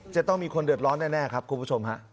จะต้องมีคนเดือดร้อนแน่ครับคุณผู้ชมฮะ